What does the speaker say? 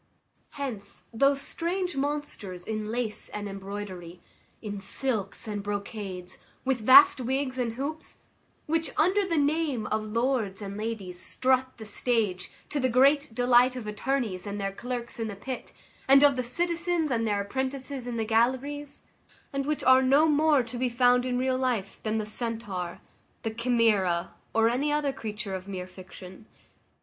Hence those strange monsters in lace and embroidery, in silks and brocades, with vast wigs and hoops; which, under the name of lords and ladies, strut the stage, to the great delight of attorneys and their clerks in the pit, and of the citizens and their apprentices in the galleries; and which are no more to be found in real life than the centaur, the chimera, or any other creature of mere fiction.